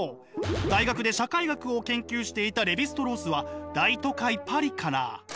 大学で社会学を研究していたレヴィ＝ストロースは大都会パリから。